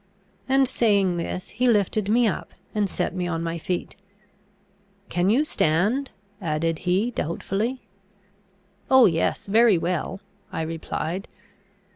and, saying this, he lifted me up, and set me on my feet. "Can you stand?" added he, doubtfully. "Oh, yes, very well," I replied.